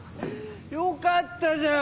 よかったじゃん！